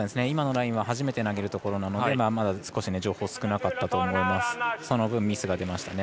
今のラインは初めて投げるところでまだ少し情報少なかったと思います。